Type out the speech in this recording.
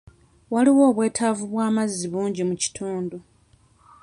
Waliwo obwetaavu bw'amazzi bungi mu kitundu.